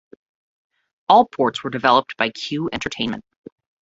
All ports were developed by Q Entertainment.